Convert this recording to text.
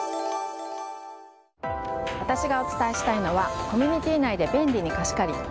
私がお伝えしたいのはコミュニティー内で便利に貸し借り。